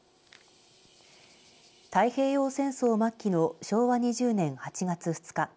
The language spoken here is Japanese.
太平洋戦争末期の昭和２０年８月２日